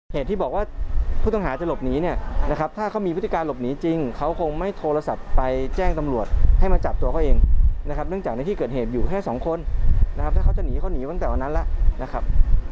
เหตุที่บอกว่าผู้ต้องหาจะหลบหนีเนี่ยนะครับถ้าเขามีพฤติการหลบหนีจริงเขาคงไม่โทรศัพท์ไปแจ้งตำรวจให้มาจับตัวเขาเองนะครับเนื่องจากในที่เกิดเหตุอยู่แค่สองคนนะครับถ้าเขาจะหนีเขาหนีตั้งแต่วันนั้นแล้วนะครับ